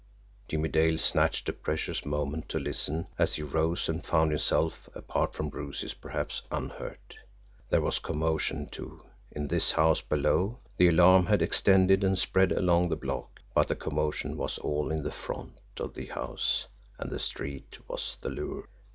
Jimmie Dale snatched a precious moment to listen, as he rose, and found himself, apart from bruises, perhaps unhurt. There was commotion, too, in this house below, the alarm had extended and spread along the block but the commotion was all in the FRONT of the house the street was the lure.